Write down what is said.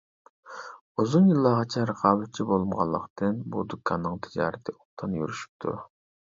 ئۇزۇن يىللارغىچە رىقابەتچى بولمىغانلىقتىن بۇ دۇكاننىڭ تىجارىتى ئوبدان يۈرۈشۈپتۇ.